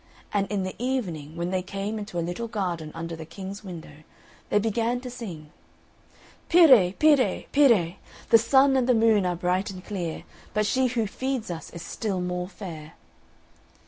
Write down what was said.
And in the evening when they came into a little garden under the King's window, they began to sing "Pire, pire pire! The sun and the moon are bright and clear, But she who feeds us is still more fair."